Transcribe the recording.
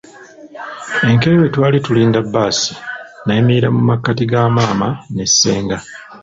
Enkeera bwe twali tulinda bbaasi, nayimirira mu makkati ga maama ne ssenga .